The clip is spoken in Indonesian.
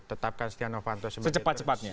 tetapkan setia novanto secepat cepatnya